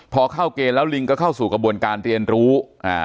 พอเข้าเกณฑ์แล้วลิงก็เข้าสู่กระบวนการเรียนรู้อ่า